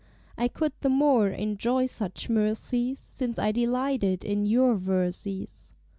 I could the more enjoy such mercies Since I delighted in your verses.